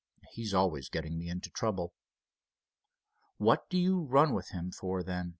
He's always getting me into trouble." "What do you run with him for, then?"